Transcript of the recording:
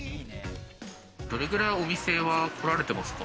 どれくらい、お店は来られてますか？